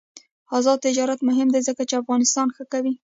آزاد تجارت مهم دی ځکه چې افغانستان ښه کوي.